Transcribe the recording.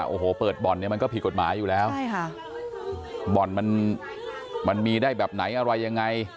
โอ้โหเปิดบ่อนเนี่ยมันก็ผิดกฎหมายอยู่แล้วใช่ค่ะบ่อนมันมันมีได้แบบไหนอะไรยังไง